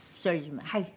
はい。